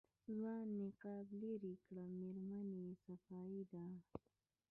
ځوان نقاب لېرې کړ مېرمنې صفايي ده.